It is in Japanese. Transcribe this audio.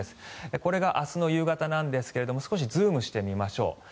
これが明日の夕方なんですが少しズームしてみましょう。